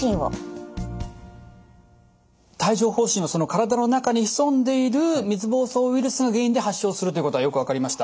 帯状ほう疹は体の中に潜んでいる水ぼうそうウイルスが原因で発症するということはよく分かりました。